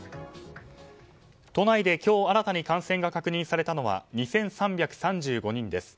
都内で今日新たに感染が確認されたのは２３３５人です。